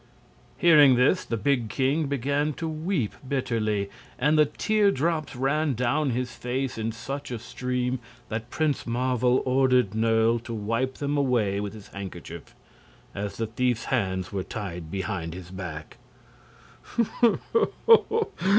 Hearing this, the big king began to weep bitterly, and the tear drops ran down his face in such a stream that Prince Marvel ordered Nerle to wipe them away with his handkerchief, as the thief's hands were tied behind his back.